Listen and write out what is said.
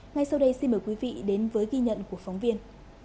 ngay sau đây xin mời quý vị đến với ghi nhận của phóng viên